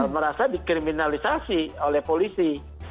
merasa dikriminalisasi oleh polisi